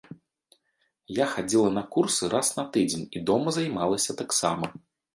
Я хадзіла на курсы раз на тыдзень і дома займалася таксама.